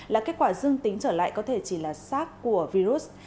là kết quả dương tính trở lại có thể chỉ là sars của virus